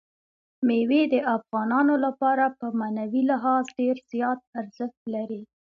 مېوې د افغانانو لپاره په معنوي لحاظ ډېر زیات ارزښت لري.